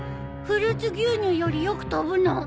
フルーツ牛乳よりよく飛ぶの？